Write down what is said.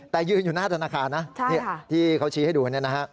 แต่ยืนอยู่หน้าธนาคารนะที่เขาชี้ให้ดู